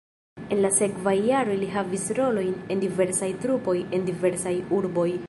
En la sekvaj jaroj li havis rolojn en diversaj trupoj en diversaj urboj.